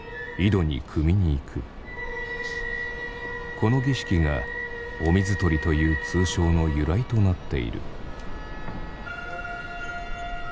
この儀式がお水取りという通称の由来となっている。